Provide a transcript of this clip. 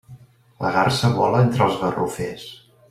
La garsa vola entre els garrofers.